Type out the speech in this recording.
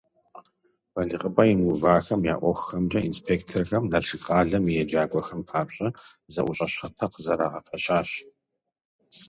БалигъыпӀэ имыувахэм я ӀуэхухэмкӀэ инспекторхэм Налшык къалэм и еджакӀуэхэм папщӀэ зэӀущӀэ щхьэпэ къызэрагъэпэщащ.